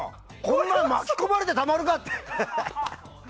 巻き込まれてたまるかって。